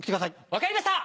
分かりました！